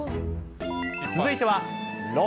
続いては、ろ。